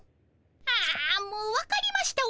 ああもうわかりました